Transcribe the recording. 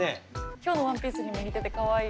今日のワンピースにも似ててかわいい。